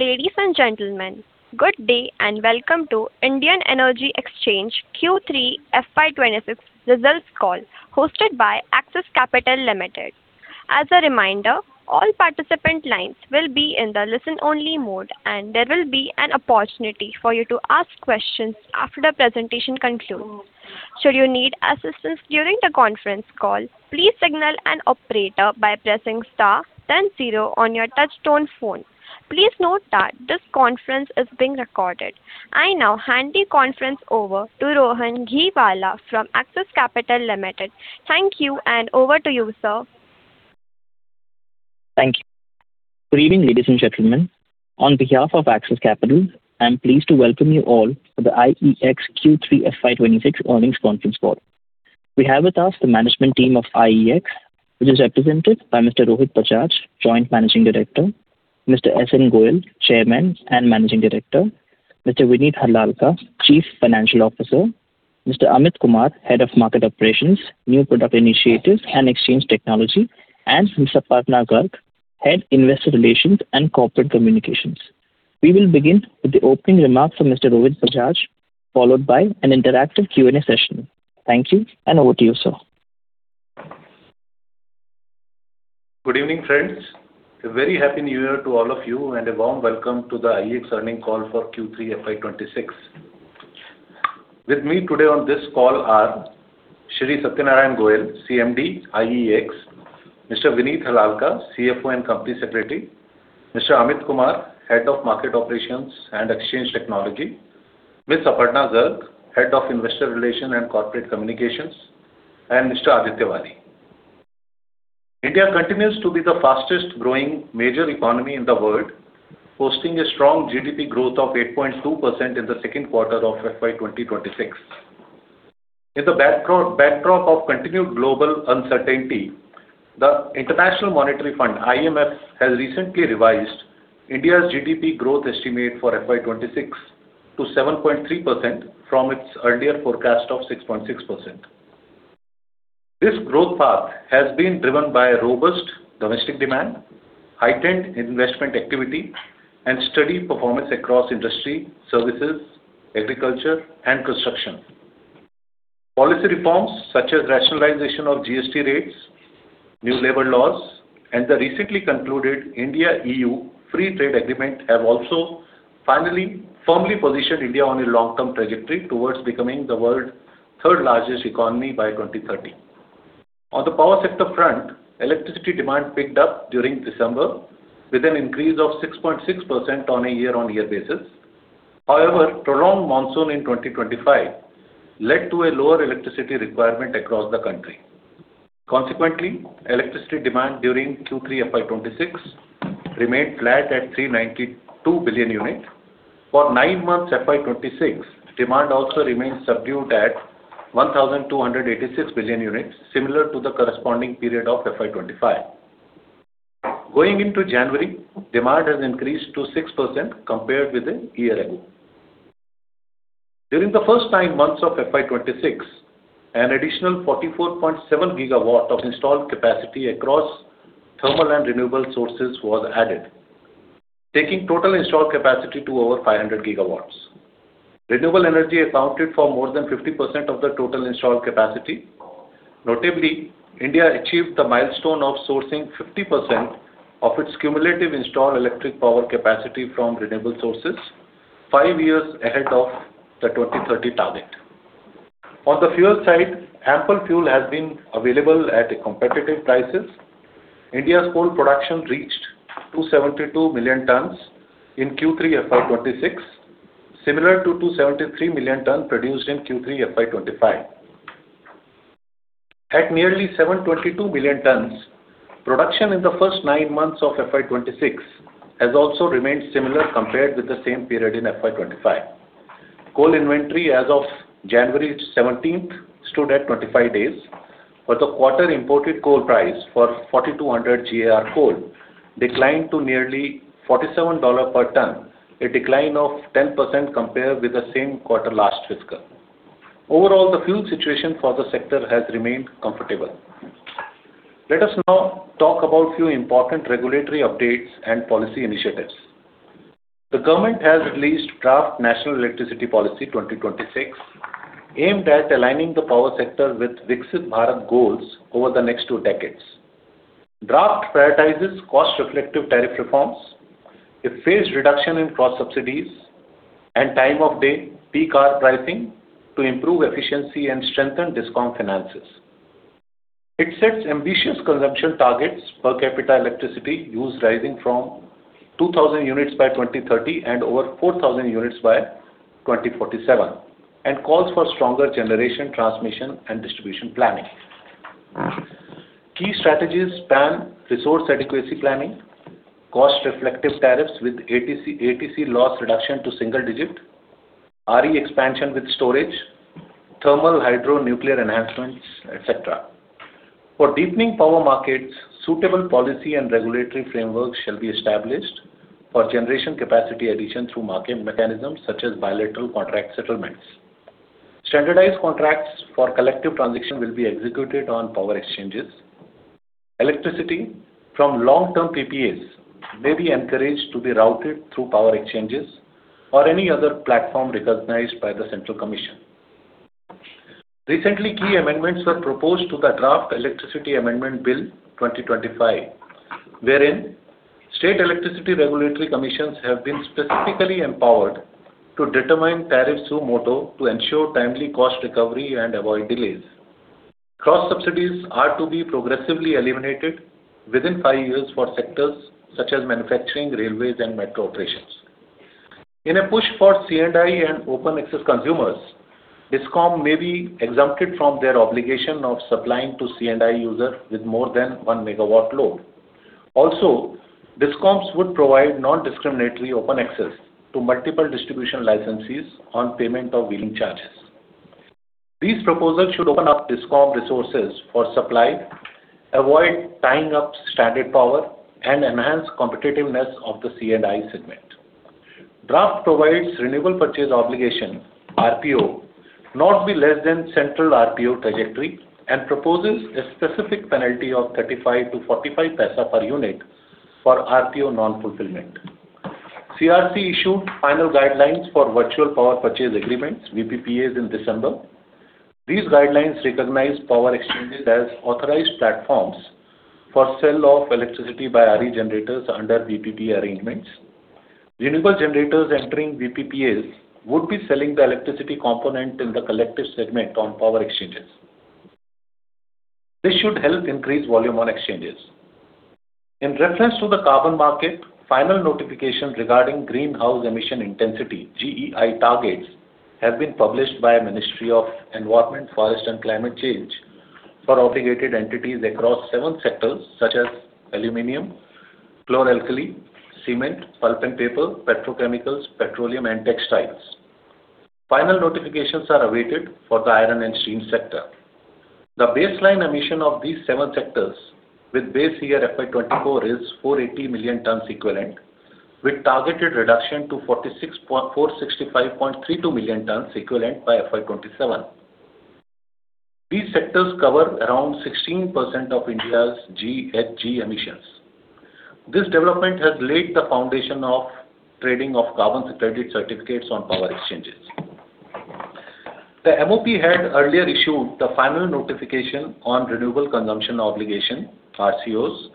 Ladies and gentlemen, good day, and welcome to Indian Energy Exchange Q3 FY 2026 results call, hosted by Axis Capital Limited. As a reminder, all participant lines will be in the listen-only mode, and there will be an opportunity for you to ask questions after the presentation concludes. Should you need assistance during the conference call, please signal an operator by pressing star then zero on your touchtone phone. Please note that this conference is being recorded. I now hand the conference over to Rohan Ghiwala from Axis Capital Limited. Thank you, and over to you, sir. Thank you. Good evening, ladies and gentlemen. On behalf of Axis Capital, I'm pleased to welcome you all to the IEX Q3 FY 2026 earnings conference call. We have with us the management team of IEX, which is represented by Mr. Rohit Bajaj, Joint Managing Director, Mr. S.N. Goel, Chairman and Managing Director, Mr. Vineet Harlalka, Chief Financial Officer, Mr. Amit Kumar, Head of Market Operations, New Product Initiatives and Exchange Technology, and Ms. Aparna Garg, Head, Investor Relations and Corporate Communications. We will begin with the opening remarks from Mr. Rohit Bajaj, followed by an interactive Q&A session. Thank you, and over to you, sir. Good evening, friends. A very Happy New Year to all of you, and a warm welcome to the IEX earnings call for Q3 FY 2026. With me today on this call are Shri Satyanarayan Goel, CMD, IEX; Mr. Vineet Harlalka, CFO and Company Secretary; Mr. Amit Kumar, Head of Market Operations and Exchange Technology; Ms. Aparna Garg, Head of Investor Relations and Corporate Communications; and Mr. Aditya Wali. India continues to be the fastest growing major economy in the world, posting a strong GDP growth of 8.2% in the Q2 of FY 2026. In the backdrop of continued global uncertainty, the International Monetary Fund, IMF, has recently revised India's GDP growth estimate for FY 2026 to 7.3% from its earlier forecast of 6.6%. This growth path has been driven by a robust domestic demand, heightened investment activity and steady performance across industry, services, agriculture and construction. Policy reforms such as rationalization of GST rates, new labor laws and the recently concluded India-EU Free Trade Agreement, have also finally firmly positioned India on a long-term trajectory towards becoming the world's third largest economy by 2030. On the power sector front, electricity demand picked up during December with an increase of 6.6% on a year-on-year basis. However, prolonged monsoon in 2025 led to a lower electricity requirement across the country. Consequently, electricity demand during Q3 FY 2026 remained flat at 392 billion units. For nine months, FY 2026, demand also remains subdued at 1,286 billion units, similar to the corresponding period of FY 2025. Going into January, demand has increased to 6% compared with the year ago. During the first nine months of FY 2026, an additional 44.7 GW of installed capacity across thermal and renewable sources was added, taking total installed capacity to over 500 GW. Renewable energy accounted for more than 50% of the total installed capacity. Notably, India achieved the milestone of sourcing 50% of its cumulative installed electric power capacity from renewable sources, five years ahead of the 2030 target. On the fuel side, ample fuel has been available at competitive prices. India's coal production reached 272 million tons in Q3 FY 2026, similar to 273 million tons produced in Q3 FY 2025. At nearly 722 million tons, production in the first nine months of FY 2026 has also remained similar compared with the same period in FY 2025. Coal inventory as of January seventeenth stood at 25 days, but the quarter imported coal price for 4,200 GAR coal declined to nearly $47 per ton, a decline of 10% compared with the same quarter last fiscal. Overall, the fuel situation for the sector has remained comfortable. Let us now talk about few important regulatory updates and policy initiatives. The government has released Draft National Electricity Policy 2026, aimed at aligning the power sector with Viksit Bharat goals over the next two decades. Draft prioritizes cost-reflective tariff reforms, a phased reduction in cross subsidies and time of day peak hour pricing to improve efficiency and strengthen discom finances. It sets ambitious consumption targets, per capita electricity use rising from 2,000 units by 2030 and over 4,000 units by 2047, and calls for stronger generation, transmission and distribution planning. Key strategies span resource adequacy planning, cost reflective tariffs with AT&C loss reduction to single digit, RE expansion with storage, thermal, hydro, nuclear enhancements, et cetera. For deepening power markets, suitable policy and regulatory frameworks shall be established for generation capacity addition through market mechanisms such as bilateral contract settlements. Standardized contracts for collective transaction will be executed on power exchanges. Electricity from long-term PPAs may be encouraged to be routed through power exchanges or any other platform recognized by the Central Commission. Recently, key amendments were proposed to the Draft Electricity Amendment Bill 2025, wherein state electricity regulatory commissions have been specifically empowered to determine tariffs suo motu to ensure timely cost recovery and avoid delays. Cross-subsidies are to be progressively eliminated within 5 years for sectors such as manufacturing, railways, and metro operations. In a push for C&I and open access consumers, DISCOM may be exempted from their obligation of supplying to C&I users with more than 1 MW load. Also, DISCOMs would provide non-discriminatory open access to multiple distribution licensees on payment of wheeling charges. These proposals should open up DISCOM resources for supply, avoid tying up standard power, and enhance competitiveness of the C&I segment. Draft provides Renewable Purchase Obligation, RPO, not be less than central RPO trajectory, and proposes a specific penalty of 0.35-0.45 per unit for RPO non-fulfillment. CERC issued final guidelines for Virtual Power Purchase Agreements, VPPA, in December. These guidelines recognize power exchanges as authorized platforms for sale of electricity by RE generators under VPP arrangements. Renewable generators entering VPPA would be selling the electricity component in the collective segment on power exchanges. This should help increase volume on exchanges. In reference to the carbon market, final notification regarding Greenhouse Gas Emission Intensity, GEI, targets have been published by a Ministry of Environment, Forest and Climate Change for obligated entities across seven sectors such as aluminum, chlor-alkali, cement, pulp and paper, petrochemicals, petroleum and textiles. Final notifications are awaited for the iron and steel sector. The baseline emission of these seven sectors, with base year FY 2024, is 480 million tons equivalent, with targeted reduction to 456.32 million tons equivalent by FY 2027. These sectors cover around 16% of India's GHG emissions. This development has laid the foundation of trading of carbon credit certificates on power exchanges. The MOP had earlier issued the final notification on Renewable Consumption Obligation, RCOs.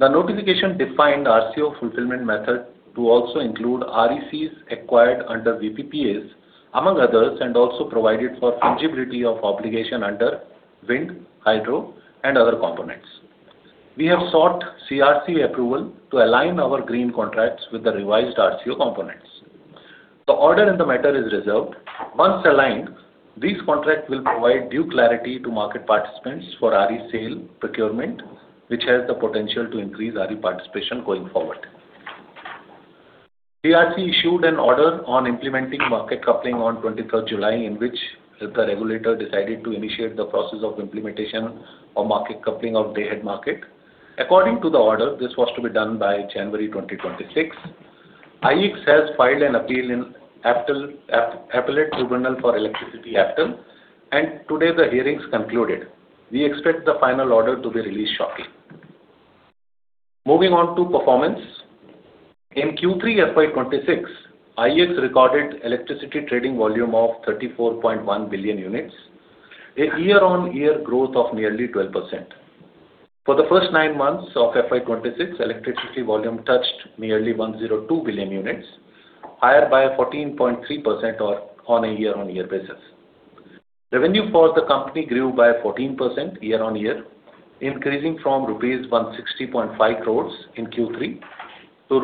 The notification defined RCO fulfillment method to also include RECs acquired under VPPAs, among others, and also provided for fungibility of obligation under wind, hydro, and other components. We have sought CERC approval to align our green contracts with the revised RCO components. The order in the matter is reserved. Once aligned, these contracts will provide due clarity to market participants for RE sale procurement, which has the potential to increase RE participation going forward. CERC issued an order on implementing market coupling on 23rd July, in which the regulator decided to initiate the process of implementation of market coupling of Day-Ahead Market. According to the order, this was to be done by January 2026. IEX has filed an appeal in Appellate Tribunal for Electricity, APTEL, and today the hearing's concluded. We expect the final order to be released shortly. Moving on to performance. In Q3 FY 2026, IEX recorded electricity trading volume of 34.1 billion units, a year-on-year growth of nearly 12%. For the first 9 months of FY 2026, electricity volume touched nearly 102 billion units, higher by 14.3% or on a year-on-year basis. Revenue for the company grew by 14% year-on-year, increasing from rupees 160.5 crore in Q3 to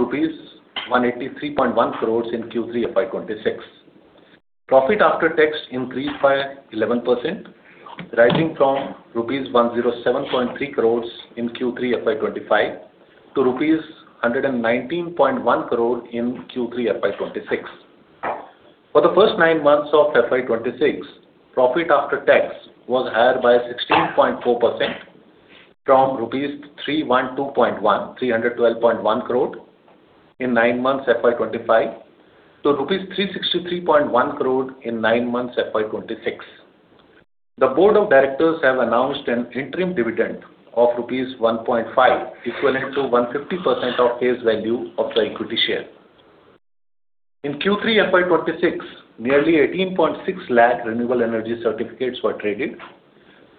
rupees 183.1 crore in Q3 FY 2026. Profit after tax increased by 11%, rising from rupees 107.3 crore in Q3 FY 2025 to rupees 119.1 crore in Q3 FY 2026. For the first nine months of FY 2026, profit after tax was higher by 16.4% from rupees 312.1, 312.1 crore in nine months FY 2025 to rupees 363.1 crore in nine months FY 2026. The Board of Directors have announced an interim dividend of rupees 1.5, equivalent to 150% of face value of the equity share. In Q3 FY 2026, nearly 18.6 lakh renewable energy certificates were traded,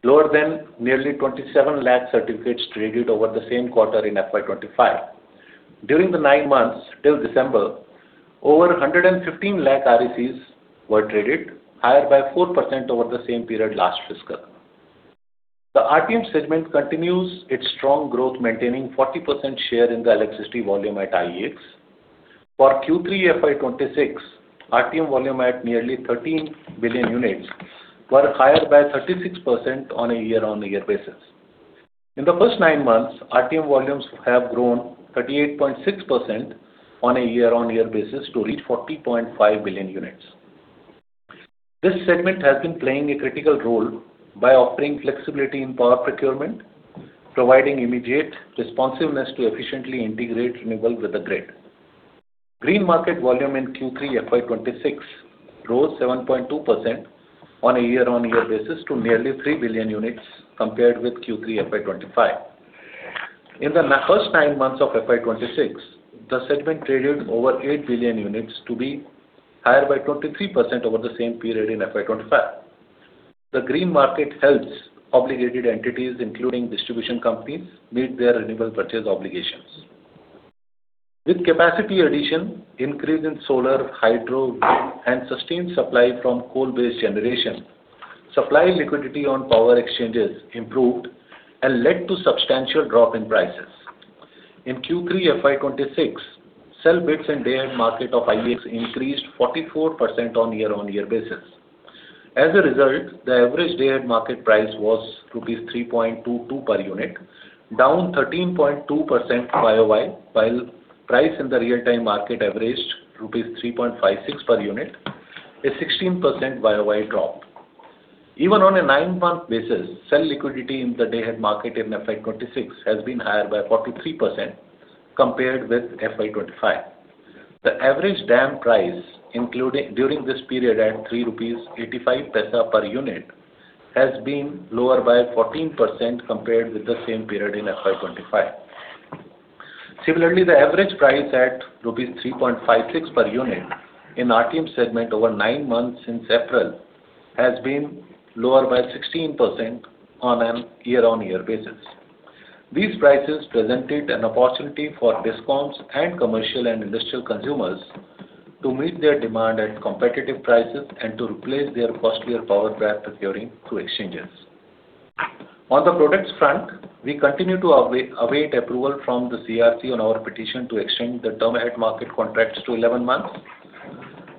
lower than nearly 27 lakh certificates traded over the same quarter in FY 2025. During the 9 months till December, over 115 lakh RECs were traded, higher by 4% over the same period last fiscal. The RTM segment continues its strong growth, maintaining 40% share in the electricity volume at IEX. For Q3 FY 2026, RTM volume at nearly 13 billion units were higher by 36% on a year-on-year basis. In the first 9 months, RTM volumes have grown 38.6% on a year-on-year basis to reach 40.5 billion units. This segment has been playing a critical role by offering flexibility in power procurement, providing immediate responsiveness to efficiently integrate renewable with the grid. Green Market volume in Q3 FY 2026 rose 7.2% on a year-on-year basis to nearly 3 billion units, compared with Q3 FY 2025. In the first nine months of FY 2026, the segment traded over 8 billion units, to be higher by 23% over the same period in FY 2025. The Green Market helps obligated entities, including distribution companies, meet their renewable purchase obligations. With capacity addition, increase in solar, hydro, and sustained supply from coal-based generation, supply liquidity on power exchanges improved and led to substantial drop in prices. In Q3 FY 2026, sell bids in Day-Ahead Market of IEX increased 44% on year-on-year basis. As a result, the average Day-Ahead Market price was rupees 3.22 per unit, down 13.2% YoY, while price in the Real-Time Market averaged rupees 3.56 per unit, a 16% YoY drop. Even on a nine-month basis, sell liquidity in the Day-Ahead Market in FY 2026 has been higher by 43% compared with FY 2025. The average DAM price, including during this period, at 3.85 rupees per unit, has been lower by 14% compared with the same period in FY 2025. Similarly, the average price at rupees 3.56 per unit in RTM segment over 9 months since April, has been lower by 16% on a year-on-year basis. These prices presented an opportunity for discoms and commercial and industrial consumers to meet their demand at competitive prices and to replace their costlier power plant procuring through exchanges. On the products front, we continue to await approval from the CERC on our petition to extend the Term-Ahead Darket contracts to 11 months.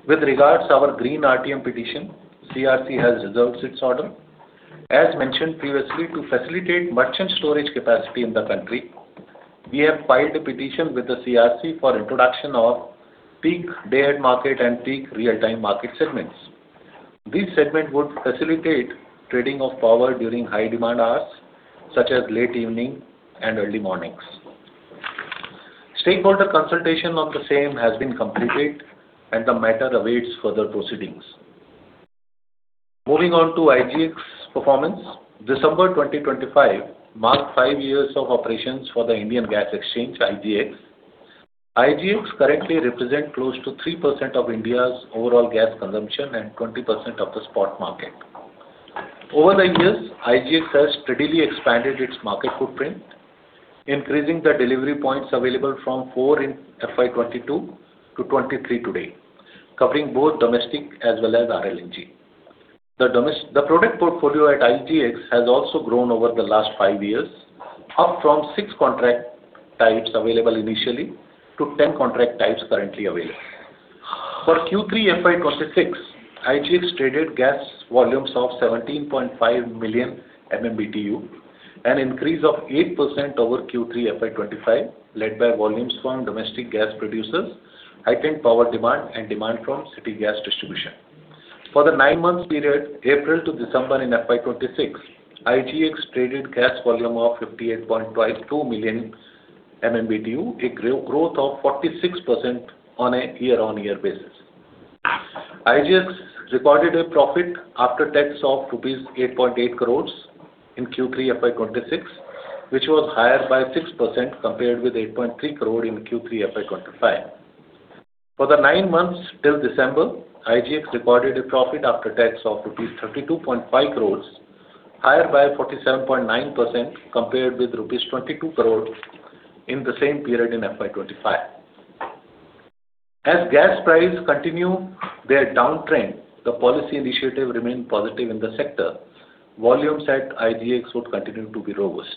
With regards to our Green RTM petition, CERC has reserved its order. As mentioned previously, to facilitate merchant storage capacity in the country, we have filed a petition with the CERC for introduction of Peak Day-Ahead Market and Peak Real-Time Market segments. These segments would facilitate trading of power during high demand hours, such as late evening and early mornings. Stakeholder consultation of the same has been completed, and the matter awaits further proceedings. Moving on to IGX performance. December 2025 marked 5 years of operations for the Indian Gas Exchange, IGX. IGX currently represents close to 3% of India's overall gas consumption and 20% of the spot market. Over the years, IGX has steadily expanded its market footprint, increasing the delivery points available from 4 in FY 2022 to 23 today, covering both domestic as well as RLNG. The product portfolio at IGX has also grown over the last five years, up from six contract types available initially to ten contract types currently available. For Q3 FY 2026, IGX traded gas volumes of 17.5 million MMBtu, an increase of 8% over Q3 FY 2025, led by volumes from domestic gas producers, heightened power demand, and demand from city gas distribution. For the nine months period, April to December in FY 2026, IGX traded gas volume of 58.2 million MMBtu, a growth of 46% on a year-on-year basis. IGX recorded a profit after tax of rupees 8.8 crore in Q3 FY 2026, which was higher by 6% compared with 8.3 crore in Q3 FY 2025. For the 9 months till December, IGX recorded a profit after tax of INR 32.5 crore, higher by 47.9%, compared with INR 22 crore in the same period in FY 2025. As gas prices continue their downtrend, the policy initiative remain positive in the sector. Volumes at IGX would continue to be robust.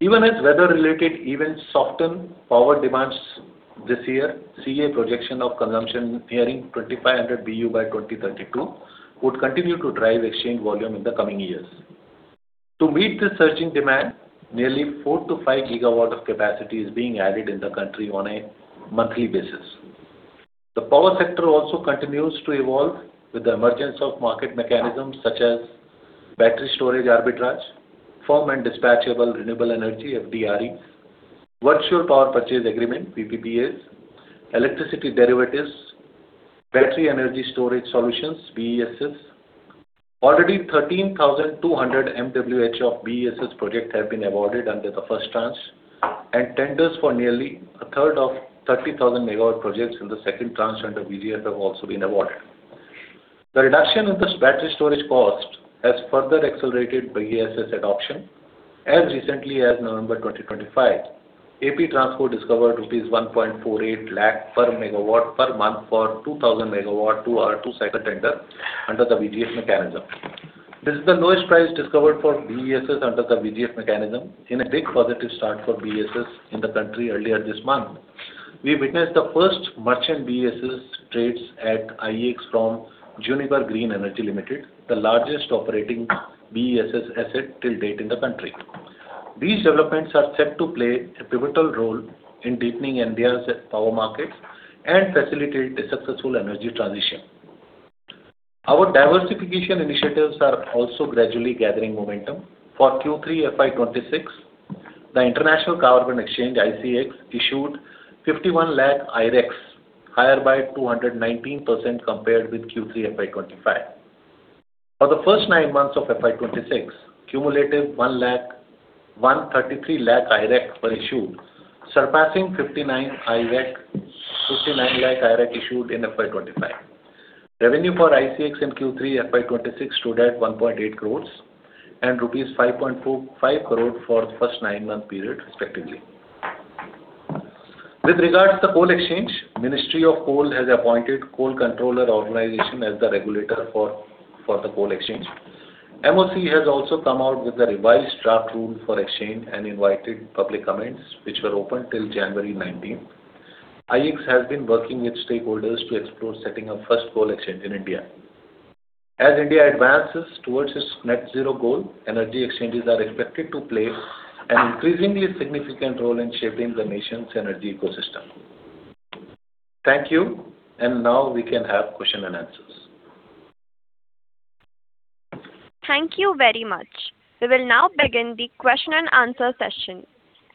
Even as weather-related events soften power demands this year, CEA projection of consumption nearing 2,500 BU by 2032 would continue to drive exchange volume in the coming years. To meet this surging demand, nearly 4-5 GW of capacity is being added in the country on a monthly basis. The power sector also continues to evolve with the emergence of market mechanisms such as battery storage arbitrage, firm and dispatchable renewable energy, FDRE, virtual power purchase agreement, PPAs, electricity derivatives, battery energy storage solutions, BESS. Already 13,200 MWh of BESS projects have been awarded under the first tranche, and tenders for nearly a third of 30,000 megawatt projects in the second tranche under VGF have also been awarded. The reduction in this battery storage cost has further accelerated BESS adoption. As recently as November 2025, APTransco discovered INR 1.48 lakh per megawatt per month for 2,000-megawatt, 2-hour, 2-cycle tender under the VGF mechanism. This is the lowest price discovered for BESS under the VGF mechanism in a big positive start for BESS in the country earlier this month. We witnessed the first merchant BESS trades at IEX from Juniper Green Energy Limited, the largest operating BESS asset till date in the country. These developments are set to play a pivotal role in deepening India's power markets and facilitate a successful energy transition. Our diversification initiatives are also gradually gathering momentum. For Q3 FY 2026, the International Carbon Exchange, ICX, issued 51 lakh I-REC, higher by 219% compared with Q3 FY 2025. For the first 9 months of FY 2026, cumulative 113 lakh I-REC were issued, surpassing 59 lakh I-REC issued in FY 2025. Revenue for ICX in Q3 FY 2026 stood at 1.8 crore, and rupees 5.25 crore for the first 9-month period, respectively. With regards to the coal exchange, Ministry of Coal has appointed Coal Controller's Organization as the regulator for the coal exchange. MOC has also come out with a revised draft rule for exchange and invited public comments, which were open till January nineteenth. IEX has been working with stakeholders to explore setting up first coal exchange in India. As India advances towards its net zero goal, energy exchanges are expected to play an increasingly significant role in shaping the nation's energy ecosystem. Thank you, and now we can have question and answers. Thank you very much. We will now begin the question and answer session.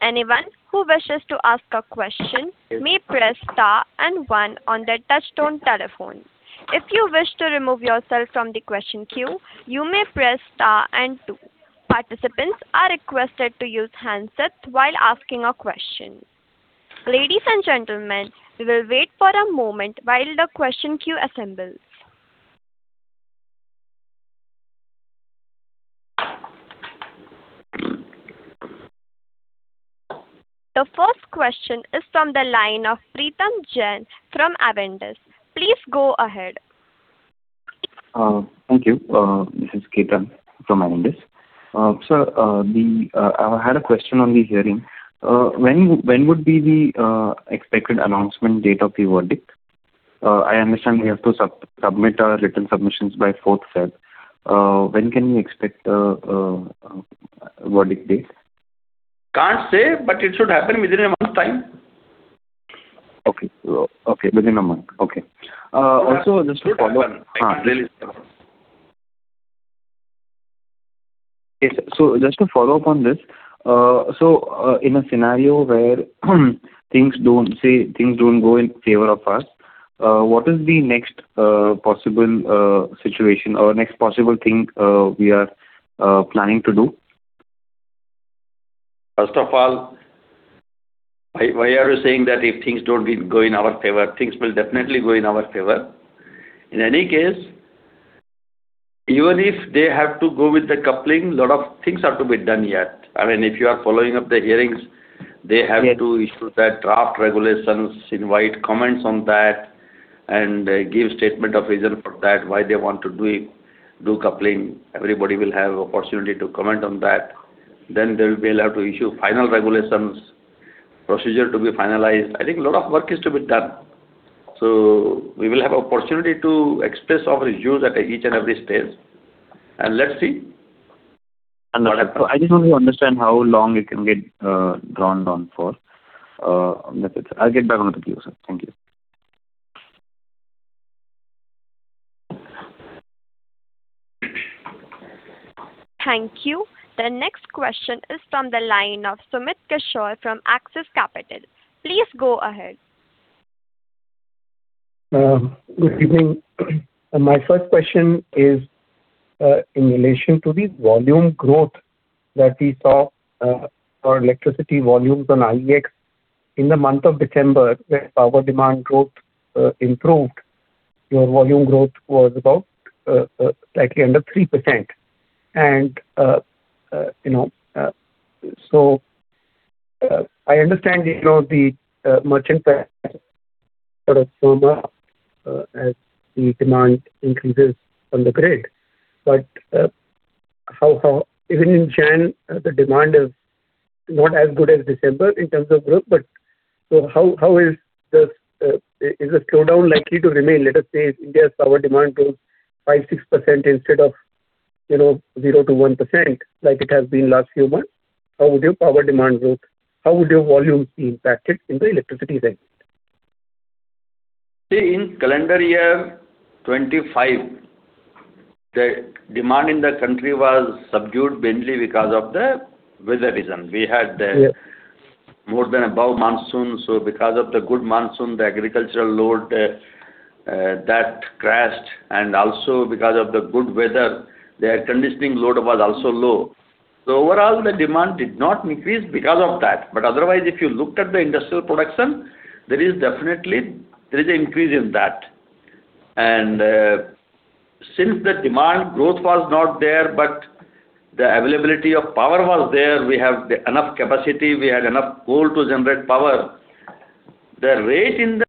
Anyone who wishes to ask a question may press star and one on their touchtone telephone. If you wish to remove yourself from the question queue, you may press star and two. Participants are requested to use handsets while asking a question. Ladies and gentlemen, we will wait for a moment while the question queue assembles. The first question is from the line of Preetam Jain from Avendus. Please go ahead. Thank you. This is Preetam from Avendus. Sir, I had a question on the hearing. When would be the expected announcement date of the verdict? I understand we have to submit our written submissions by fourth February. When can we expect verdict date? Can't say, but it should happen within a month's time. Okay. So, okay, within a month. Okay. Also just to follow up. Yes. So just to follow up on this, so, in a scenario where things don't say, things don't go in favor of us, what is the next possible situation or next possible thing we are planning to do? First of all, why, why are you saying that if things don't be go in our favor? Things will definitely go in our favor. In any case, even if they have to go with the coupling, a lot of things are to be done yet. I mean, if you are following up the hearings, they have to issue the draft regulations, invite comments on that, and give statement of reason for that, why they want to do it, do coupling. Everybody will have opportunity to comment on that. Then they will be allowed to issue final regulations, procedure to be finalized. I think a lot of work is to be done. So we will have opportunity to express our views at each and every stage, and let's see. I just want to understand how long it can get drawn on for... I'll get back on the queue, sir. Thank you. Thank you. The next question is from the line of Sumit Kishore from Axis Capital. Please go ahead. Good evening. My first question is, in relation to the volume growth that we saw, for electricity volumes on IEX. In the month of December, the power demand growth improved. Your volume growth was about, slightly under 3%. And, you know, so, I understand, you know, the, merchant sort of, as the demand increases on the grid. But, how, how even in January, the demand is not as good as December in terms of growth, but so how, how is this, is the slowdown likely to remain, let us say, if India's power demand grows 5%-6% instead of, you know, 0%-1% like it has been last few months? How would your power demand growth, how would your volumes be impacted in the electricity range? See, in calendar year 2025, the demand in the country was subdued mainly because of the weather reason. We had the- Yeah. -more than above monsoon. So because of the good monsoon, the agricultural load that crashed, and also because of the good weather, the air conditioning load was also low. So overall, the demand did not increase because of that. But otherwise, if you looked at the industrial production, there is definitely, there is an increase in that. And since the demand growth was not there, but the availability of power was there, we have the enough capacity, we had enough coal to generate power. The rate is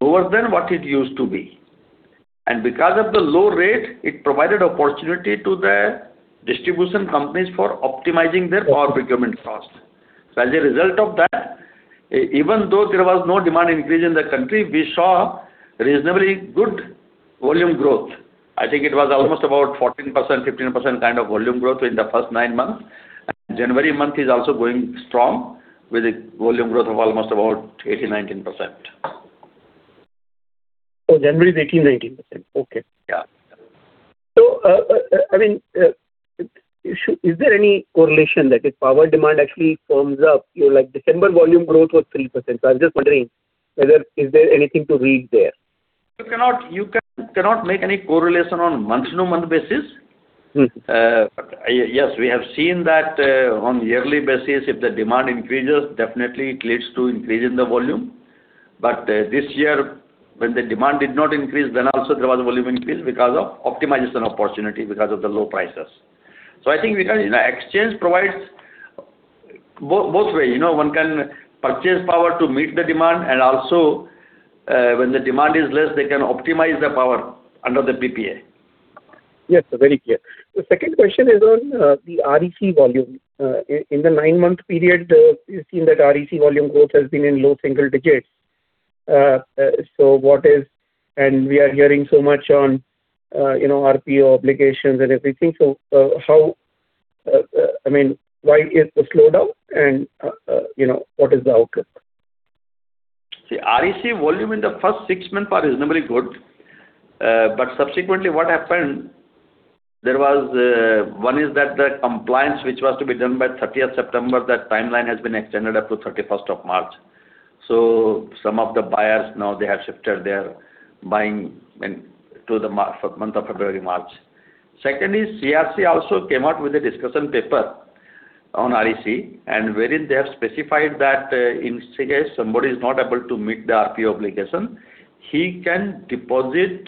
lower than what it used to be. And because of the low rate, it provided opportunity to the distribution companies for optimizing their power procurement cost. So as a result of that, even though there was no demand increase in the country, we saw reasonably good volume growth. I think it was almost about 14%-15% kind of volume growth in the first nine months. January month is also going strong with a volume growth of almost about 18%-19%. January is 18%-19%. Okay. Yeah. So, I mean, is there any correlation that if power demand actually firms up, you know, like December volume growth was 3%. So I'm just wondering whether is there anything to read there? You cannot cannot make any correlation on month-to-month basis. Mm. Yes, we have seen that on yearly basis, if the demand increases, definitely it leads to increase in the volume. But this year, when the demand did not increase, then also there was volume increase because of optimization opportunity, because of the low prices. So I think because, you know, exchange provides both way, you know, one can purchase power to meet the demand, and also, when the demand is less, they can optimize the power under the PPA. Yes, sir. Very clear. The second question is on the REC volume. In the nine-month period, you've seen that REC volume growth has been in low single digits. So what is... And we are hearing so much on, you know, RPO obligations and everything. So, I mean, why is the slowdown? And, you know, what is the outlook? See, REC volume in the first six months was reasonably good. But subsequently, what happened, there was, one is that the compliance, which was to be done by thirtieth September, that timeline has been extended up to thirty-first of March. So some of the buyers now, they have shifted their buying into the March month of February, March. Secondly, CERC also came out with a discussion paper on REC, and wherein they have specified that, in case somebody is not able to meet the RPO obligation, he can deposit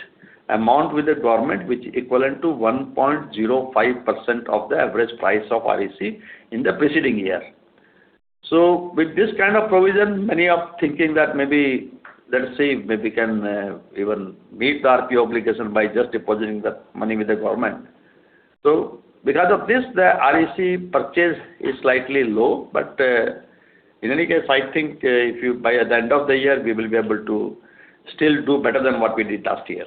amount with the government, which equivalent to 1.05% of the average price of REC in the preceding year. So with this kind of provision, many are thinking that maybe, let's see, maybe we can even meet the RPO obligation by just depositing the money with the government. So because of this, the REC purchase is slightly low, but, in any case, I think, if you by the end of the year, we will be able to still do better than what we did last year.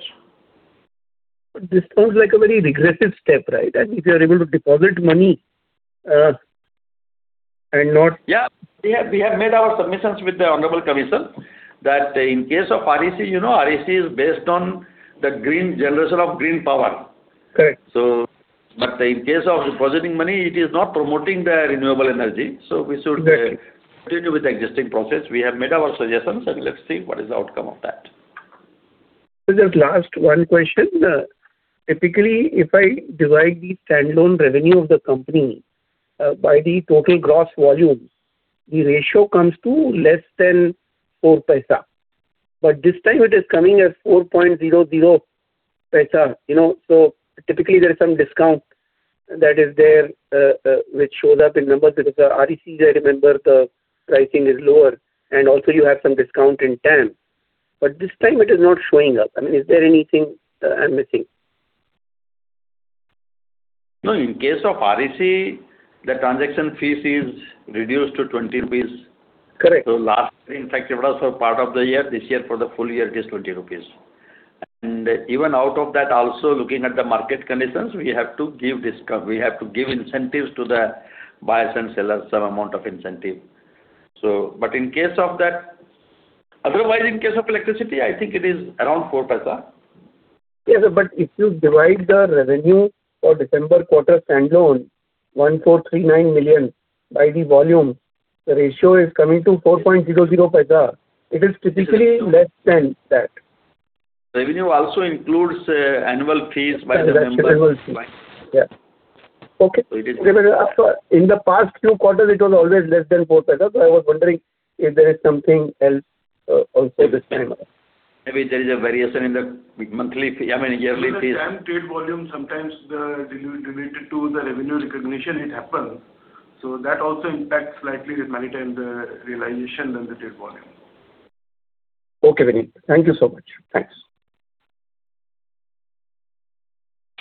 This sounds like a very regressive step, right? And if you are able to deposit money, and not- Yeah. We have, we have made our submissions with the honorable commission, that in case of REC, you know, REC is based on the green generation of green power. Correct. In case of depositing money, it is not promoting the renewable energy. Right. So we should continue with the existing process. We have made our suggestions, and let's see what is the outcome of that. Just last one question. Typically, if I divide the standalone revenue of the company by the total gross volume, the ratio comes to less than 4 paise. But this time it is coming at 4.00 paise, you know, so typically there is some discount that is there, which shows up in numbers. Because the RECs, I remember, the pricing is lower, and also you have some discount in TAM. But this time it is not showing up. I mean, is there anything I'm missing? No, in case of REC, the transaction fees is reduced to 20 rupees. Correct. So, last, in fact, it was for part of the year. This year, for the full year, it is 20 rupees. And even out of that, also, looking at the market conditions, we have to give discount. We have to give incentives to the buyers and sellers, some amount of incentive. So, but in case of that, otherwise, in case of electricity, I think it is around 0.04. Yeah, but if you divide the revenue for December quarter standalone, 1,439 million, by the volume, the ratio is coming to 4.00 paise. It is typically less than that. Revenue also includes annual fees by the members. Yeah. Okay. It is- In the past few quarters, it was always less than INR 0.04, so I was wondering if there is something else, also this time. Maybe there is a variation in the monthly fee, I mean, yearly fees. So the TAM trade volume, sometimes the delivery-related to the revenue recognition, it happens. So that also impacts slightly the money and the realization and the trade volume. Okay, Vineet. Thank you so much. Thanks.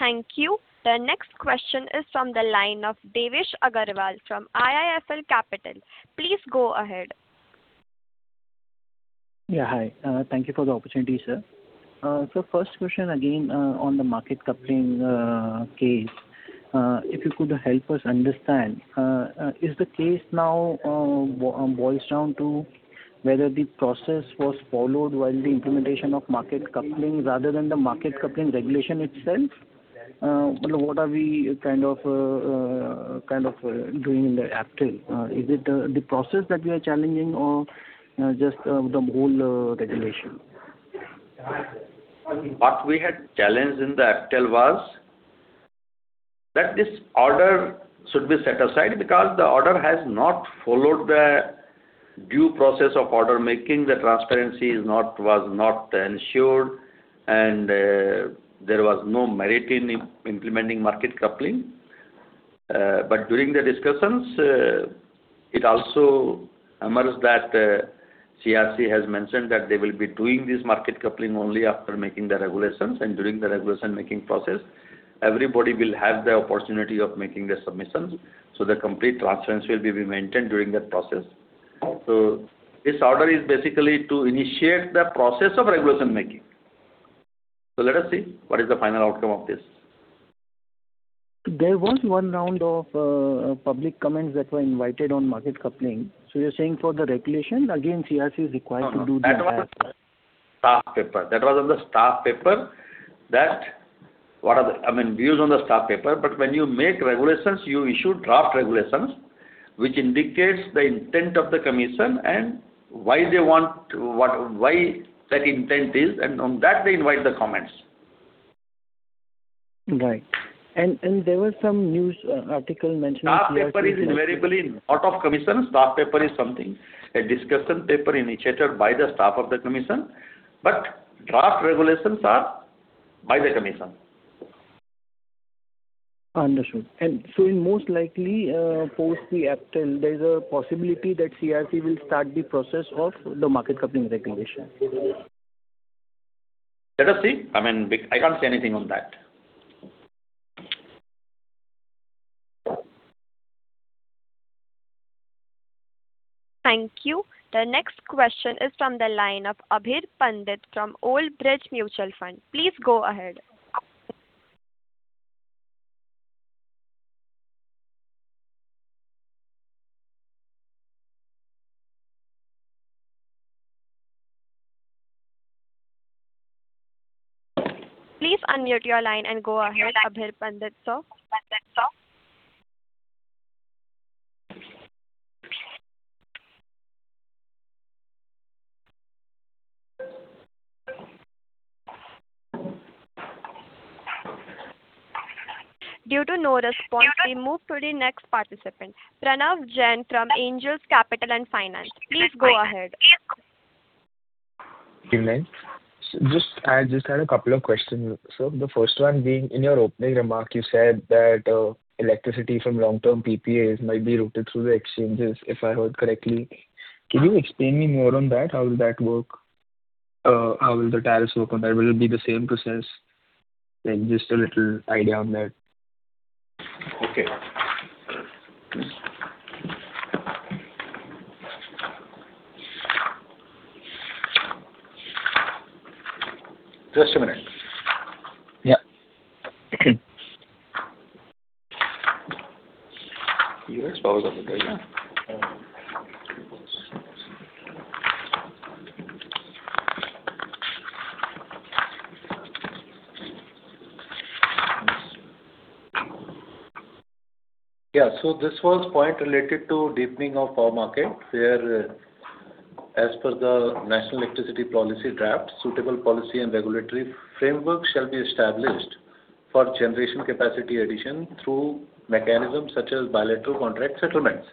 Thank you. The next question is from the line of Devesh Agarwal from IIFL Capital. Please go ahead. Yeah, hi. Thank you for the opportunity, sir. So first question, again, on the market coupling case, if you could help us understand, is the case now boils down to whether the process was followed while the implementation of market coupling, rather than the market coupling regulation itself? What are we kind of doing in the APTEL? Is it the process that we are challenging or just the whole regulation? What we had challenged in the APTEL was, that this order should be set aside because the order has not followed the due process of order making. The transparency is not, was not ensured, and, there was no merit in implementing market coupling. But during the discussions, it also emerged that, CERC has mentioned that they will be doing this market coupling only after making the regulations. And during the regulation-making process, everybody will have the opportunity of making the submissions, so the complete transparency will be maintained during that process. So this order is basically to initiate the process of regulation making. So let us see what is the final outcome of this. ... There was one round of public comments that were invited on market coupling. So you're saying for the regulation, again, CERC is required to do the- No, no, that was the staff paper. That was on the staff paper, I mean, views on the staff paper. But when you make regulations, you issue draft regulations, which indicates the intent of the commission and why they want to, what, why that intent is, and on that they invite the comments. Right. And there were some news article mentions. Staff paper is invariably out of commission. Staff paper is something, a discussion paper initiated by the staff of the commission, but draft regulations are by the commission. Understood. And so in most likely, post the April, there's a possibility that CERC will start the process of the market coupling regulation? Let us see. I mean, I can't say anything on that. Thank you. The next question is from the line of Abhir Pandit from Old Bridge Mutual Fund. Please go ahead. Please unmute your line and go ahead, Abhir Pandit, sir. Pandit, sir. Due to no response, we move to the next participant. Pranav Jain from Singular Capital. Please go ahead. Good night. So just, I just had a couple of questions, sir. The first one being, in your opening remark, you said that, electricity from long-term PPAs might be routed through the exchanges, if I heard correctly. Can you explain me more on that? How will that work? How will the tariffs work on that? Will it be the same process? Like, just a little idea on that. Okay. Just a minute. Yeah. Yeah, so this was point related to deepening of power market, where, as per the National Electricity Policy draft, suitable policy and regulatory framework shall be established for generation capacity addition through mechanisms such as bilateral contract settlements.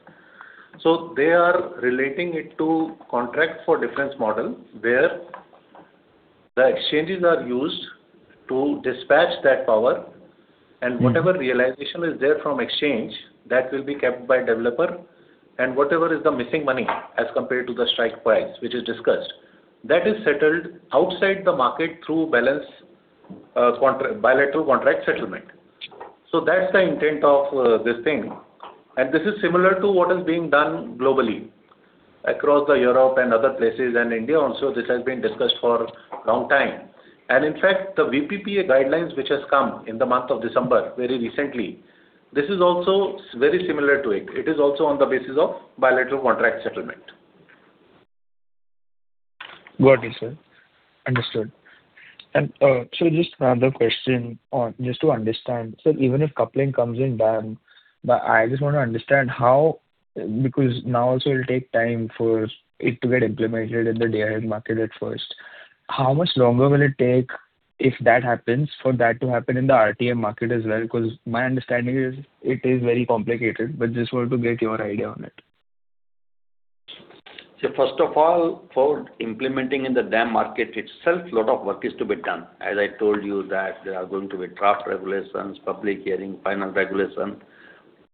So they are relating it to Contract for Difference model, where the exchanges are used to dispatch that power- Mm-hmm. and whatever realization is there from exchange, that will be kept by developer, and whatever is the missing money as compared to the strike price, which is discussed, that is settled outside the market through balance bilateral contract settlement. So that's the intent of this thing. And this is similar to what is being done globally, across the Europe and other places, and India also, this has been discussed for long time. And in fact, the VPPA guidelines, which has come in the month of December, very recently, this is also very similar to it. It is also on the basis of bilateral contract settlement. Got you, sir. Understood. And, so just another question on, just to understand. So even if coupling comes in DAM, but I just want to understand how... Because now also it will take time for it to get implemented in the Day-Ahead Market at first. How much longer will it take, if that happens, for that to happen in the RTM market as well? Because my understanding is it is very complicated, but just want to get your idea on it. First of all, for implementing in the DAM market itself, lot of work is to be done. As I told you that there are going to be draft regulations, public hearing, final regulation,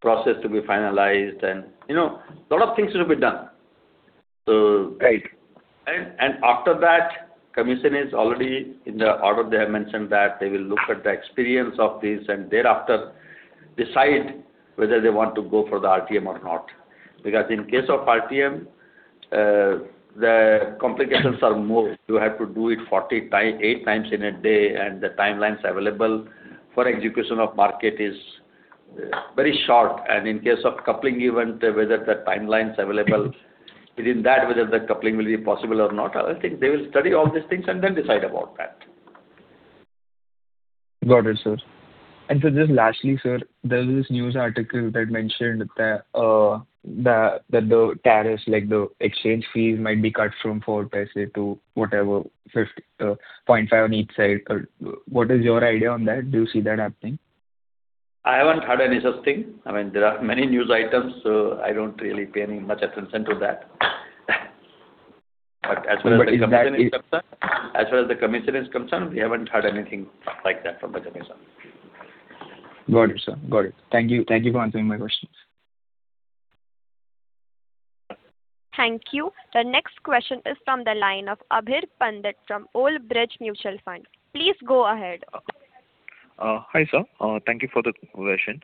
process to be finalized and, you know, lot of things to be done. So- Right. After that, commission is already in the order. They have mentioned that they will look at the experience of this, and thereafter decide whether they want to go for the RTM or not. Because in case of RTM, the complications are more. You have to do it 40 times, 8 times in a day, and the timelines available for execution of market is very short. In case of coupling event, whether the timelines available within that, whether the coupling will be possible or not, I think they will study all these things and then decide about that. Got it, sir. And so just lastly, sir, there's this news article that mentioned that the tariffs, like the exchange fees, might be cut from 0.04 to whatever 0.505 on each side. What is your idea on that? Do you see that happening? I haven't heard any such thing. I mean, there are many news items, so I don't really pay any much attention to that. But as far as the commission is concerned- But is that it- As far as the commission is concerned, we haven't heard anything like that from the commission. Got it, sir. Got it. Thank you. Thank you for answering my questions. Thank you. The next question is from the line of Abhir Pandit from Old Bridge Mutual Fund. Please go ahead. Hi, sir. Thank you for the conversation.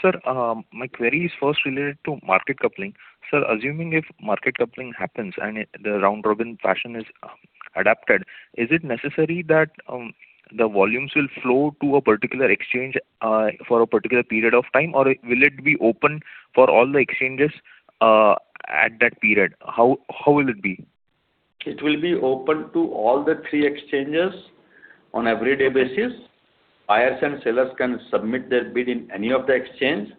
Sir, my query is first related to Market Coupling. Sir, assuming if Market Coupling happens and it, the round robin fashion is adapted, is it necessary that the volumes will flow to a particular exchange for a particular period of time, or will it be open for all the exchanges at that period? How will it be? It will be open to all the three exchanges on everyday basis. Buyers and sellers can submit their bid in any of the exchange.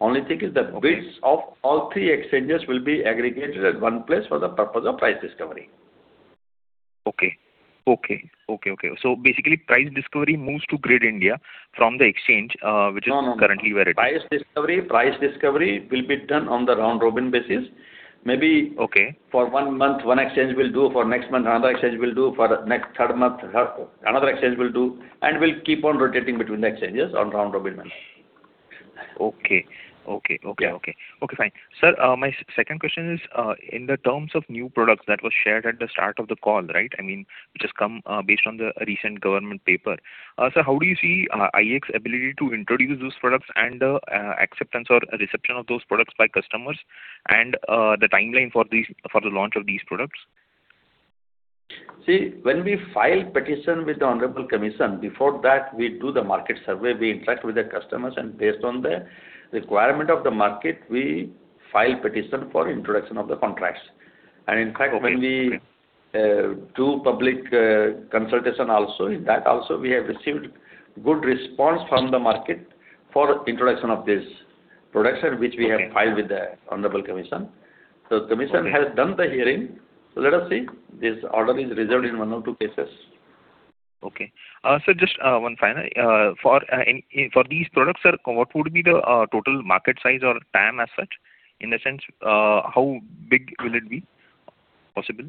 Only thing is that- Okay. Bids of all three exchanges will be aggregated at one place for the purpose of price discovery. Okay. Okay. Okay, okay. So basically, price discovery moves to Grid India from the exchange, which is- No, no, no. currently where it is. Price discovery, price discovery will be done on the round robin basis. Maybe- Okay. for one month, one exchange will do, for next month, another exchange will do, for next, third month, another exchange will do, and will keep on rotating between the exchanges on round robin basis. Okay. Okay. Yeah. Okay, okay. Okay, fine. Sir, my second question is, in the terms of new products that was shared at the start of the call, right? I mean, which has come, based on the recent government paper. Sir, how do you see, IEX ability to introduce those products and the, acceptance or reception of those products by customers, and, the timeline for these, for the launch of these products? See, when we file petition with the Honorable Commission, before that, we do the market survey, we interact with the customers, and based on the requirement of the market, we file petition for introduction of the contracts. Okay. In fact, when we do public consultation also, in that also we have received good response from the market for introduction of this products- Okay. -which we have filed with the Honorable Commission. Okay. Commission has done the hearing. Let us see. This order is reserved in one or two cases. Okay. Sir, just one final. For these products, sir, what would be the total market size or TAM as such? In a sense, how big will it be possible?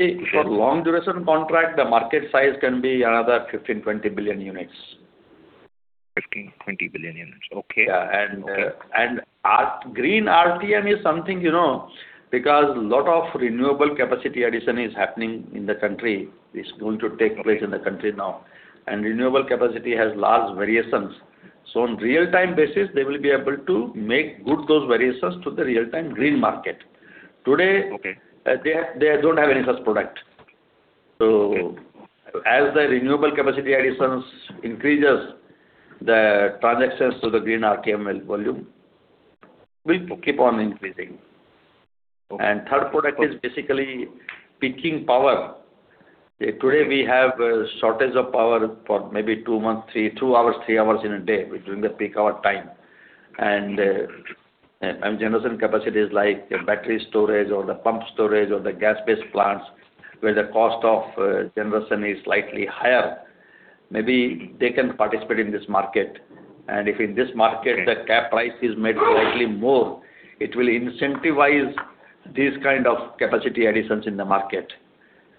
See, for long duration contract, the market size can be another 15-20 billion units. 15-20 billion units, okay. Yeah, Okay. Our Green RTM is something, you know, because a lot of renewable capacity addition is happening in the country, is going to take place in the country now, and renewable capacity has large variations. So on real-time basis, they will be able to make good those variations to the Real-Time Green Market. Okay. Today, they don't have any such product. Okay. As the renewable capacity additions increase, the transactions to the Green RTM will keep on increasing. Okay. Third product is basically peaking power. Okay. Today, we have a shortage of power for maybe two months, three, two hours, three hours in a day between the peak hour time. And, and generation capacities like the battery storage or the pump storage or the gas-based plants, where the cost of, generation is slightly higher, maybe they can participate in this market. And if in this market- Okay. the cap price is made slightly more, it will incentivize these kind of capacity additions in the market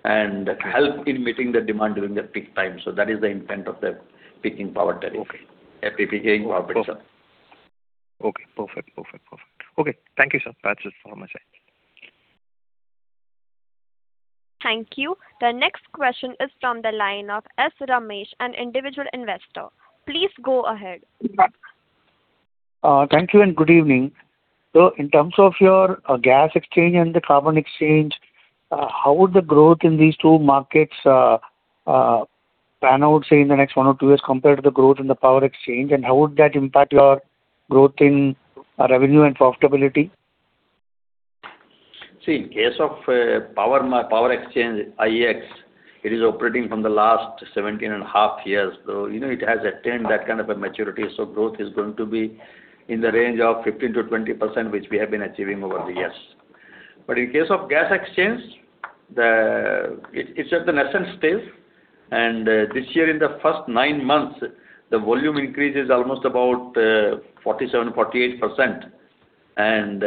and help in meeting the demand during the peak time. So that is the intent of the peaking power tariff. Okay. FPPCA in power tariff. Okay. Perfect. Perfect, perfect. Okay, thank you, sir. That's it from my side. Thank you. The next question is from the line of S. Ramesh, an individual investor. Please go ahead. Thank you and good evening. So in terms of your gas exchange and the carbon exchange, how would the growth in these two markets pan out, say, in the next one or two years, compared to the growth in the power exchange? And how would that impact your growth in revenue and profitability? See, in case of power exchange, IEX, it is operating from the last 17.5 years, so you know, it has attained that kind of a maturity. So growth is going to be in the range of 15%-20%, which we have been achieving over the years. Okay. But in case of gas exchange, it’s at the nascent stage, and this year, in the first 9 months, the volume increase is almost about 47%-48%. And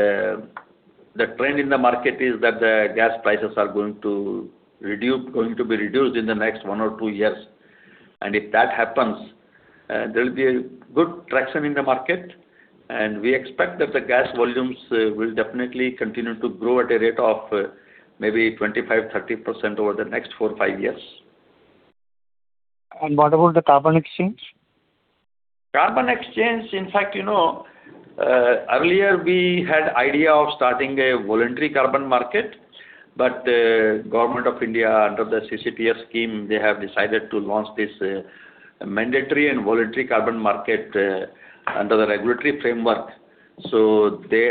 the trend in the market is that the gas prices are going to reduce, going to be reduced in the next one or two years. And if that happens, there will be a good traction in the market, and we expect that the gas volumes will definitely continue to grow at a rate of maybe 25%-30% over the next 4-5 years. What about the carbon exchange? Carbon exchange, in fact, you know, earlier we had idea of starting a voluntary carbon market, but government of India, under the CCTS scheme, they have decided to launch this mandatory and voluntary carbon market under the regulatory framework. So they,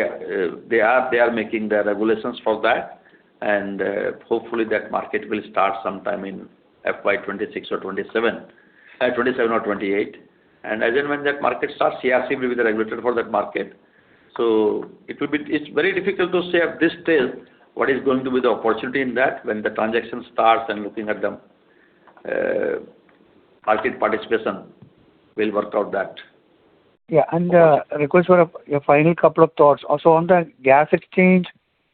they are making the regulations for that, and hopefully, that market will start sometime in FY 2026 or 2027, 2027 or 2028. And as and when that market starts, CERC will be the regulator for that market. So it will be—It's very difficult to say at this stage what is going to be the opportunity in that when the transaction starts and looking at the market participation, we'll work out that. Yeah, and request for a final couple of thoughts. Also, on the gas exchange,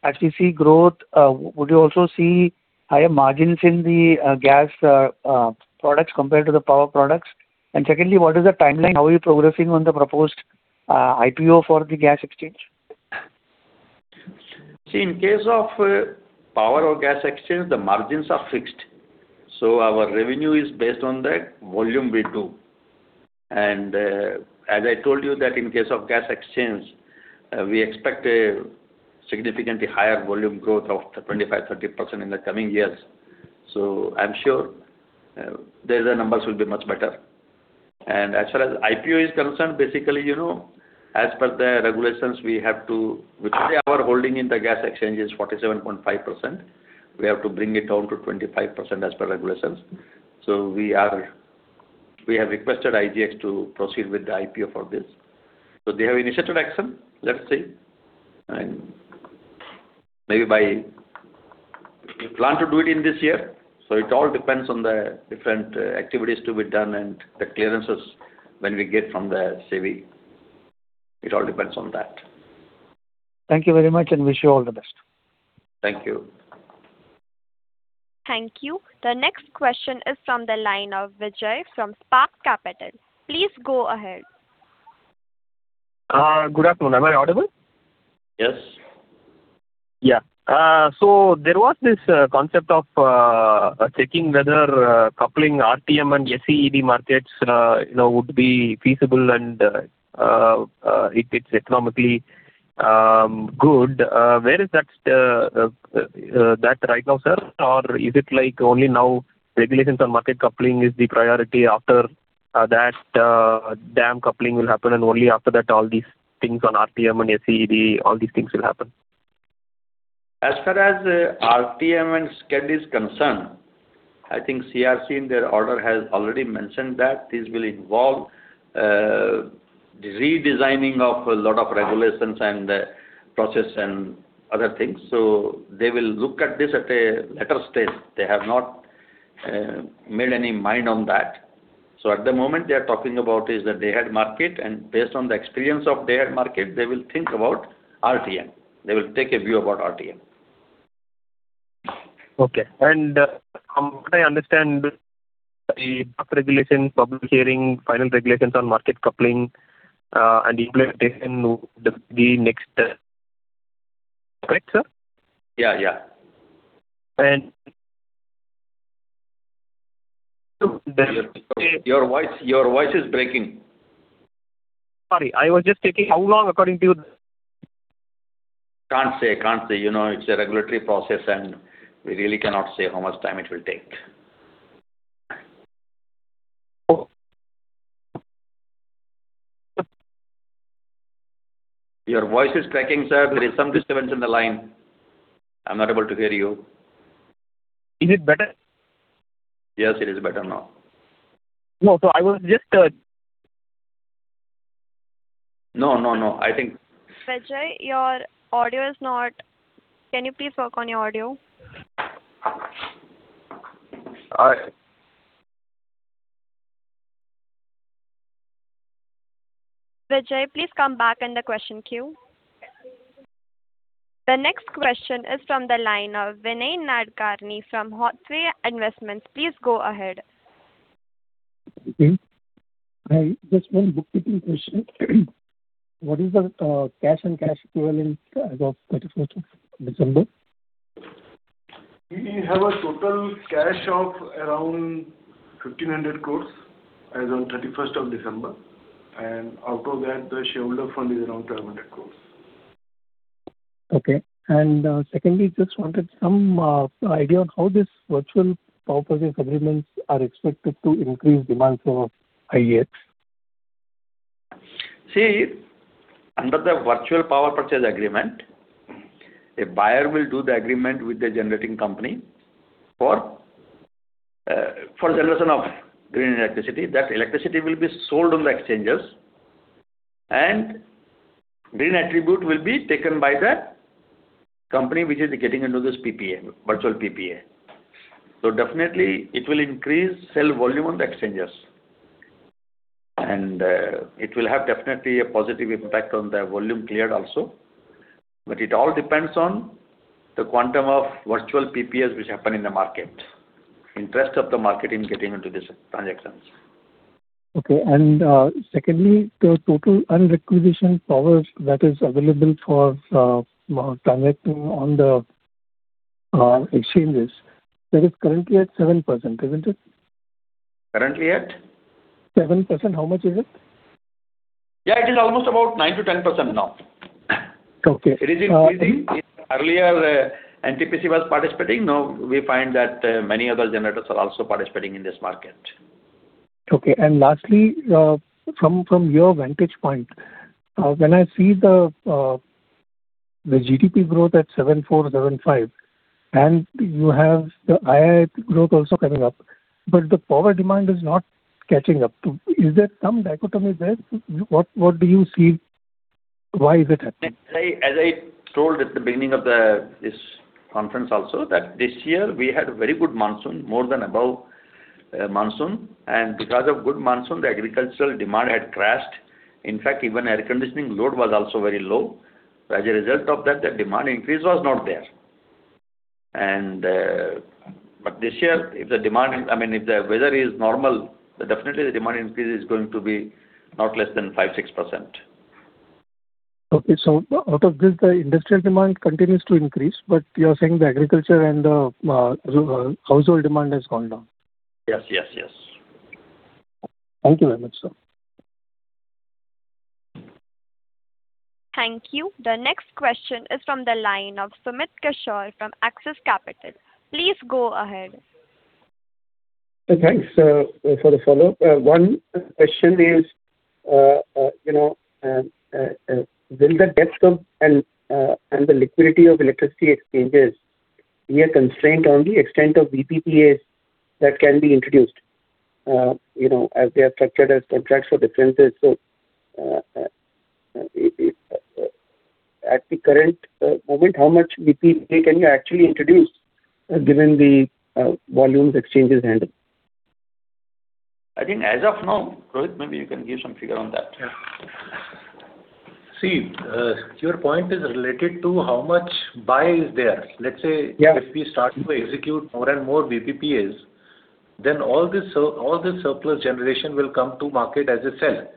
as you see growth, would you also see higher margins in the gas products compared to the power products? And secondly, what is the timeline? How are you progressing on the proposed IPO for the gas exchange? See, in case of power or gas exchange, the margins are fixed, so our revenue is based on the volume we do. And as I told you that in case of gas exchange, we expect a significantly higher volume growth of 25%-30% in the coming years. So I'm sure there the numbers will be much better. And as far as IPO is concerned, basically, you know, as per the regulations, we have to, because our holding in the gas exchange is 47.5%, we have to bring it down to 25% as per regulations. So we are, we have requested IEX to proceed with the IPO for this. So they have initiated action. Let's see. We plan to do it in this year, so it all depends on the different activities to be done and the clearances when we get from the SEBI. It all depends on that. Thank you very much, and wish you all the best. Thank you. Thank you. The next question is from the line of Vijay from Spark Capital. Please go ahead. Good afternoon. Am I audible? Yes. Yeah. So there was this concept of checking whether coupling RTM and SCED markets, you know, would be feasible and if it's economically good. Where is that right now, sir? Or is it like only now regulations on market coupling is the priority after that DAM coupling will happen, and only after that, all these things on RTM and SCED, all these things will happen? As far as RTM and SCED is concerned, I think CERC in their order has already mentioned that this will involve redesigning of a lot of regulations and process and other things. So they will look at this at a later stage. They have not made any mind on that. So at the moment, they are talking about is the Day-Ahead Market, and based on the experience of Day-Ahead Market, they will think about RTM. They will take a view about RTM. Okay. And, from what I understand, the regulations, public hearing, final regulations on Market Coupling, and implementation will be next, correct, sir? Yeah, yeah. And- Your voice, your voice is breaking. Sorry, I was just checking how long, according to you- Can't say, can't say. You know, it's a regulatory process, and we really cannot say how much time it will take. Oh. Your voice is cracking, sir. There is some disturbance in the line. I'm not able to hear you. Is it better? Yes, it is better now. No, so I was just... No, no, no. I think- Vijay, your audio is not... Can you please work on your audio? I- Vijay, please come back in the question queue. The next question is from the line of Vinay Nadkarni from Hathway Investments. Please go ahead. Hi, just one bookkeeping question. What is the cash and cash equivalent as of thirty-first of December? We have a total cash of around 1,500 crore as on 31st of December, and out of that, the shareholder fund is around 1,200 crore. Okay. And, secondly, just wanted some idea on how this virtual power purchase agreements are expected to increase demand for IEX? See, under the virtual power purchase agreement, a buyer will do the agreement with the generating company for generation of green electricity. That electricity will be sold on the exchanges, and green attribute will be taken by the company which is getting into this PPA, virtual PPA. So definitely it will increase sell volume on the exchanges, and it will have definitely a positive impact on the volume cleared also. But it all depends on the quantum of virtual PPAs which happen in the market, interest of the market in getting into these transactions. Okay. And, secondly, the total unrequisitioned power that is available for transacting on the exchanges, that is currently at 7%, isn't it? Currently at? 7%. How much is it? Yeah, it is almost about 9%-10% now. Okay. It is increasing. Earlier, NTPC was participating. Now we find that, many other generators are also participating in this market. Okay. And lastly, from, from your vantage point, when I see the, the GDP growth at 7.4, 7.5, and you have the IIF growth also coming up, but the power demand is not catching up to... Is there some dichotomy there? What, what do you see? Why is it happening? As I, as I told at the beginning of the, this conference also, that this year we had a very good monsoon, more than above, monsoon. And because of good monsoon, the agricultural demand had crashed. In fact, even air conditioning load was also very low. So as a result of that, the demand increase was not there. And, but this year, if the demand, I mean, if the weather is normal, then definitely the demand increase is going to be not less than 5%-6%. Okay. So out of this, the industrial demand continues to increase, but you are saying the agriculture and the household demand has gone down? Yes, yes, yes. Thank you very much, sir. Thank you. The next question is from the line of Sumit Kishore from Axis Capital. Please go ahead. Thanks for the follow-up. One question is, you know, will the depth of and and the liquidity of electricity exchanges be a constraint on the extent of VPPAs that can be introduced? You know, as they are structured as contracts for differences. So, at the current moment, how much VPPAs can you actually introduce, given the volumes exchanges handle? I think as of now, Rohit, maybe you can give some figure on that. Yeah. See, your point is related to how much buy is there. Yeah. Let's say, if we start to execute more and more VPPAs, then all this surplus generation will come to market as a sell.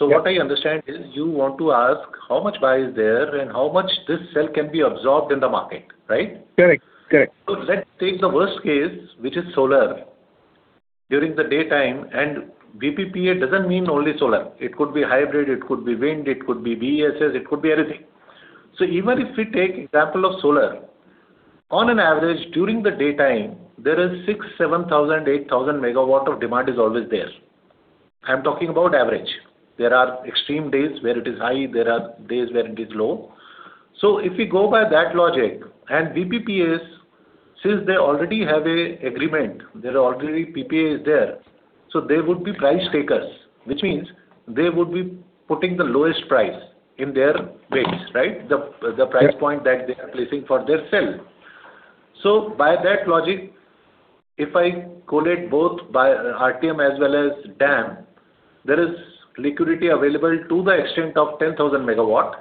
Yeah. What I understand is you want to ask how much buy is there and how much this sell can be absorbed in the market, right? Correct. Correct. So let's take the worst case, which is solar. During the daytime, and VPPAs doesn't mean only solar. It could be hybrid, it could be wind, it could be BESS, it could be anything. So even if we take example of solar, on an average, during the daytime, there is 6,000-8,000 MW of demand always there. I'm talking about average. There are extreme days where it is high, there are days where it is low. So if we go by that logic, and VPPAs, since they already have an agreement, there are already PPAs there, so they would be price takers, which means they would be putting the lowest price in their bids, right? The price point- Yeah. -that they are placing for their sell. So by that logic, if I collate both by RTM as well as DAM, there is liquidity available to the extent of 10,000 megawatts.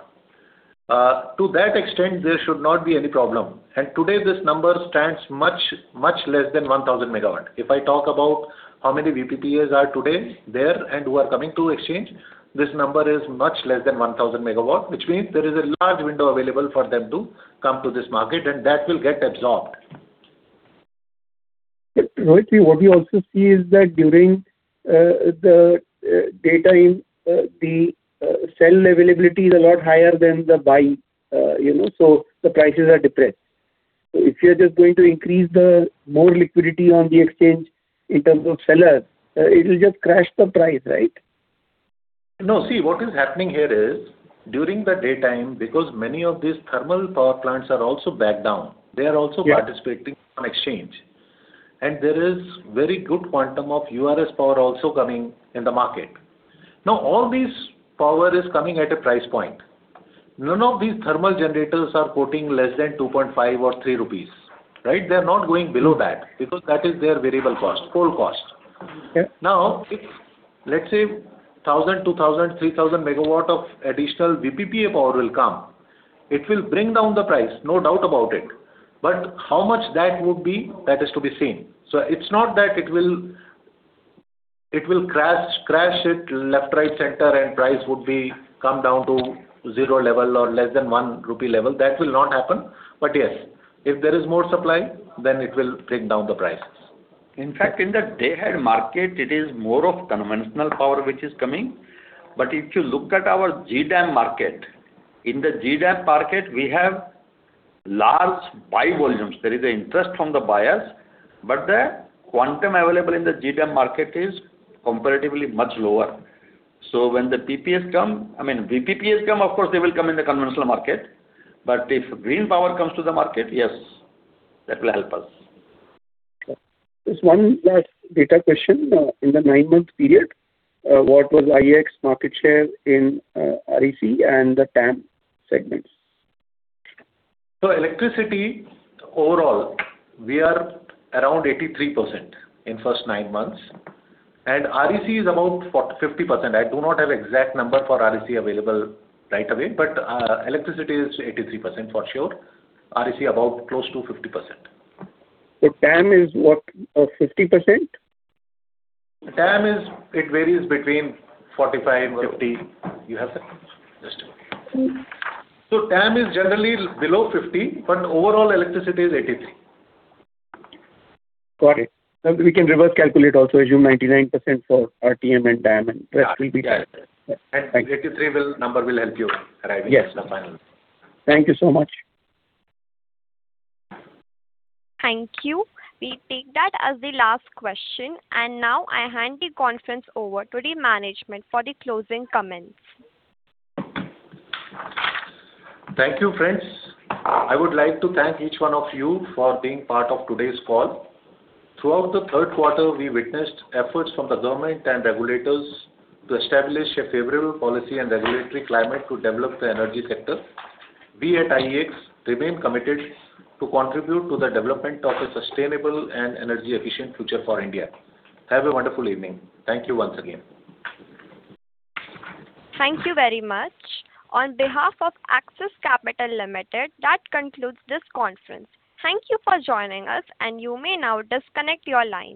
To that extent, there should not be any problem. And today, this number stands much, much less than 1,000 megawatts. If I talk about how many VPPAs are today there and who are coming to exchange, this number is much less than 1,000 megawatts, which means there is a large window available for them to come to this market, and that will get absorbed. Rohit, what we also see is that during the daytime, the sell availability is a lot higher than the buy, you know, so the prices are depressed. So if you are just going to increase the more liquidity on the exchange in terms of sellers, it will just crash the price, right? No. See, what is happening here is, during the daytime, because many of these thermal power plants are also backed down, they are also- Yeah... participating on exchange. There is very good quantum of surplus power also coming in the market. Now, all this power is coming at a price point. None of these thermal generators are quoting less than 2.5 or 3, right? They are not going below that, because that is their variable cost, coal cost. Yeah. Now, if, let's say, 1,000, 2,000, 3,000 megawatts of additional VPPAs power will come, it will bring down the price, no doubt about it. But how much that would be, that is to be seen. So it's not that it will, it will crash, crash it left, right, center, and price would come down to 0 level or less than 1 rupee level. That will not happen. But yes, if there is more supply, then it will bring down the prices. In fact, in the Day-Ahead Market, it is more of conventional power which is coming. But if you look at our G-DAM market, in the G-DAM market, we have large buy volumes. There is an interest from the buyers, but the quantum available in the G-DAM market is comparatively much lower. So when the PPAs come, I mean, VPPAs come, of course, they will come in the conventional market. But if green power comes to the market, yes, that will help us. Just one last data question. In the nine-month period, what was IEX market share in REC and the TAM segments? So electricity, overall, we are around 83% in first 9 months, and REC is about 50%. I do not have exact number for REC available right away, but electricity is 83% for sure. REC about close to 50%. So TAM is what? 50%? TAM is. It varies between 45-50. You have that? Just a minute. So TAM is generally below 50, but overall electricity is 83. Got it. We can reverse calculate also, assume 99% for RTM and DAM, and the rest will be- Yeah. Thanks. And 83 will number will help you arriving at the final. Yes. Thank you so much. Thank you. We take that as the last question, and now I hand the conference over to the management for the closing comments. Thank you, friends. I would like to thank each one of you for being part of today's call. Throughout the Q3, we witnessed efforts from the government and regulators to establish a favorable policy and regulatory climate to develop the energy sector. We at IEX remain committed to contribute to the development of a sustainable and energy-efficient future for India. Have a wonderful evening. Thank you once again. Thank you very much. On behalf of Axis Capital Limited, that concludes this conference. Thank you for joining us, and you may now disconnect your line.